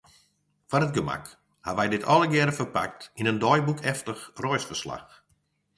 Foar it gemak hawwe wy dit allegearre ferpakt yn in deiboekeftich reisferslach.